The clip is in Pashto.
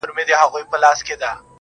گراني شاعري زه هم داسي يمه~